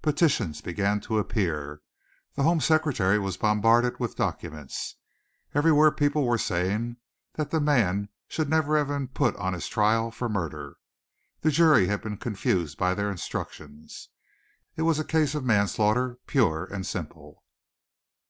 Petitions began to appear. The Home Secretary was bombarded with documents. Everywhere people were saying that the man should never have been put on his trial for murder. The jury had been confused by their instructions. It was a case of manslaughter, pure and simple.